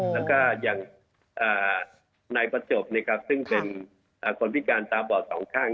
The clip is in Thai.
แล้วก็อย่างในประจบนะครับซึ่งเป็นคนพิการตาบ่อ๒ข้าง